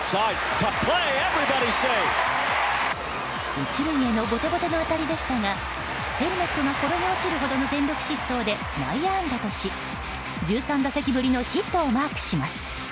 １塁へのボテボテの当たりでしたがヘルメットが転げ落ちるほどの全力疾走で内野安打とし１３打席ぶりのヒットをマークします。